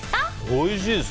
おいしいです。